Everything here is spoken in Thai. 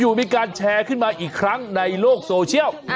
มีการแชร์ขึ้นมาอีกครั้งในโลกโซเชียล